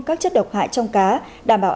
các chất độc hại trong cá đảm bảo